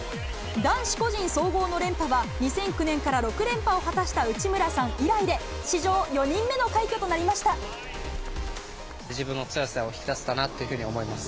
男子個人総合の連覇は、２００９年から６連覇を果たした内村さん以来で、史上４人目の快自分の強さを引き出せたなと思います。